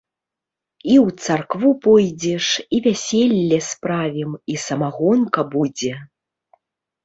І ў царкву пойдзеш, і вяселле справім, і самагонка будзе!